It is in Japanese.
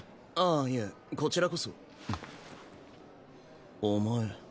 ああいえこちらこそうん？